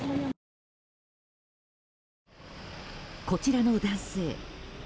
こちらの男性